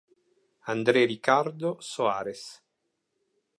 André Ricardo Soares